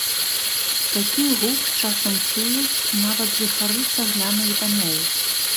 Такі гук часам чуюць нават жыхары цагляных дамоў.